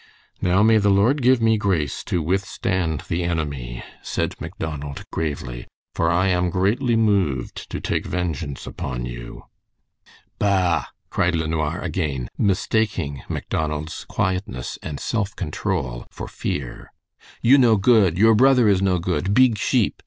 "Now may the Lord give me grace to withstand the enemy," said Macdonald, gravely, "for I am greatly moved to take vengeance upon you." "Bah!" cried LeNoir again, mistaking Macdonald's quietness and self control for fear. "You no good! Your brother is no good! Beeg sheep!